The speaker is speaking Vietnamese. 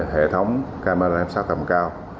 hệ thống camera hệ sát tầm cao